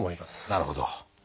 なるほど。